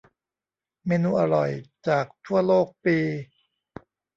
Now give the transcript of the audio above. เมนูอร่อยจากทั่วโลกปี